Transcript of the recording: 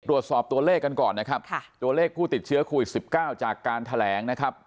ตรวจสอบตัวเลขกันก่อนนะครับตัวเลขผู้ติดเชื้อโควิด๑๙จากการแถลงนะครับ